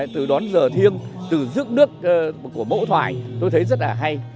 từ đón giờ thiêng từ rước nước của mẫu thoải tôi thấy rất là hay